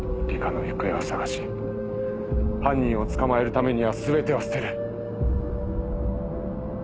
里香の行方を捜し犯人を捕まえるためには全てを捨てる。